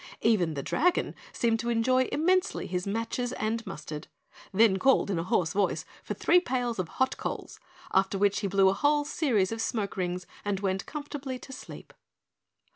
Even the Dragon seemed to enjoy immensely his matches and mustard, then called in a hoarse voice for three pails of hot coals, after which he blew a whole series of smoke rings and went comfortably to sleep.